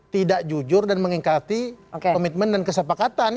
tidak jujur dan mengingkati komitmen dan kesepakatan